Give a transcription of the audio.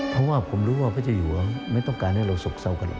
เพราะว่าผมรู้ว่าพระเจ้าอยู่ไม่ต้องการให้เราสกเศร้ากันหรอก